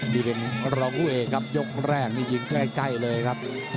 นี่เป็นรองผู้เอกครับยกแรกนี่ยิงใกล้เลยครับ